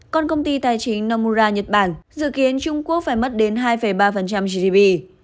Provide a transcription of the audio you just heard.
còn công ty tài chính nomura nhật bản dự kiến trung quốc phải mất đến hai ba gdp